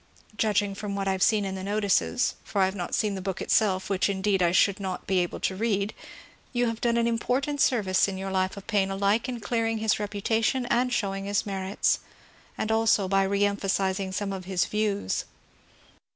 Judging from what I have seen in the notices (for I have not seen the book itself, which indeed I should not be able to read), you have done an important serrice by your Life of Paine alike in clearing his reputation and showing his merits, as also by reemphasizing some of his views.